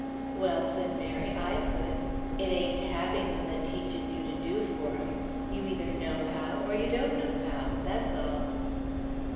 "Well," said Mary, "I could. It ain't having 'em that teaches you to do for 'em. You either know how, or you don't know how. That's all."